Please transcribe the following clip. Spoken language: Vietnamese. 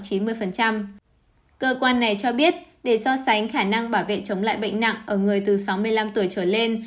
cơ quan này cho biết để so sánh khả năng bảo vệ chống lại bệnh nặng ở người từ sáu mươi năm tuổi trở lên